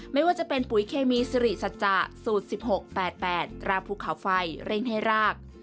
ไม่ว่าจะเป็นปุ๋ยเคมีสิริสัจจะสูตร๑๖๘๘ตราภูเขาไฟเร่งให้ราก